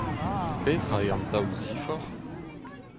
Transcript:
Petra eo an daou ziforc'h ?